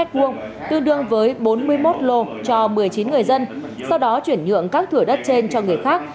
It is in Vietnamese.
tương đương với bốn mươi một lô cho một mươi chín người dân sau đó chuyển nhượng các thửa đất trên cho người khác